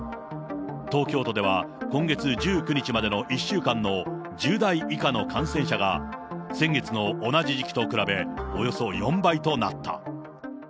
東京都では今月１９日までの１週間の１０代以下の感染者が、先月の同じ時期と比べ、およそ４倍となった。